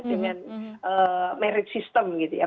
dengan merit system gitu ya